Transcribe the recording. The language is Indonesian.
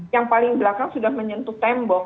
yang paling belakang sudah menyentuh tembok